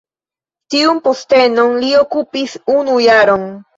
Tiun postenon li okupis unu jaron.